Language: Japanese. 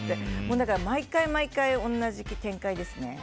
だから毎回毎回同じ展開ですね。